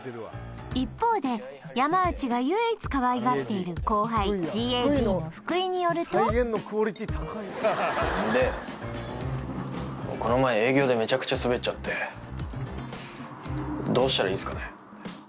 一方で山内が唯一かわいがっている後輩ＧＡＧの福井によるとんでこの前営業でメチャクチャスベっちゃってどうしたらいいすかね？